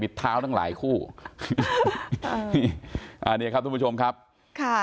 เท้าตั้งหลายคู่อ่าเนี่ยครับทุกผู้ชมครับค่ะ